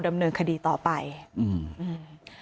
ดำเนินคดีต่อไปอืมอืม